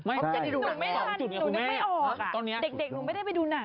บ๊วยเบนเขาอยากไปดูรวมภาพแรกแรกของเข้ามา